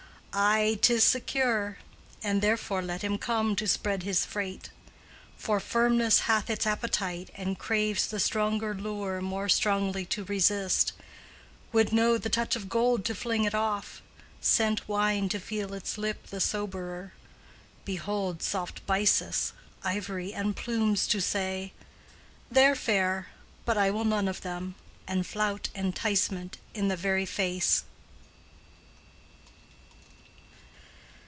Ay, 'tis secure: And therefore let him come to spread his freight. For firmness hath its appetite and craves The stronger lure, more strongly to resist; Would know the touch of gold to fling it off; Scent wine to feel its lip the soberer; Behold soft byssus, ivory, and plumes To say, "They're fair, but I will none of them," And flout Enticement in the very face.